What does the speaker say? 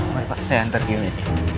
maaf pak saya hantar gimnya